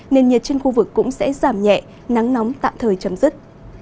nền nhiệt trên khu vực cũng sẽ giảm nhẹ nắng nóng tạm thời chấm dứt